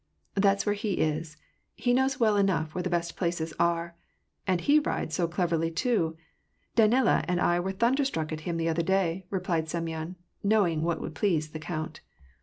" That's where he is. He knows well enough where the best places are. And he rides so cleverly too : Danila and I were thunderstruck at him the other day," replied Semyon, knowing what would please the count.